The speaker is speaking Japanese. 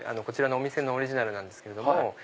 こちらのお店のオリジナルなんですけども。